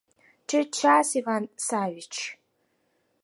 Чӧчас, Иван Саввич!